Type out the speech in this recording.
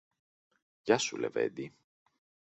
Γεια σου, λεβέντη!